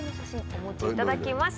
お持ちいただきました。